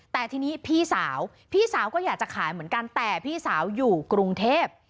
แต่ทีนี้พี่สาวพี่สาวก็อยากจะขายเหมือนกันแต่พี่สาวอยู่กรุงเทพ